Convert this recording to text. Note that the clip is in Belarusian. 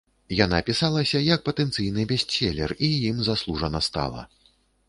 Яна пісалася як патэнцыйны бестселер і ім заслужана стала.